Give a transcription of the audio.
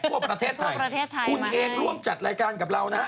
ทั่วประเทศไทยคุณเองร่วมจัดรายการกับเรานะฮะ